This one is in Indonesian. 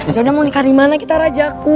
yaudah mau nikah dimana kita rajaku